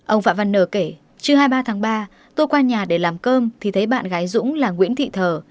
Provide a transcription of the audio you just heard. ông phạm văn nờ kể trưa hai mươi ba tháng ba tôi qua nhà để làm cơm thì thấy bạn gái dũng là nguyễn thị thờ